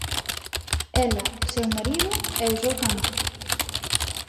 Ela, seu marido e o seu can.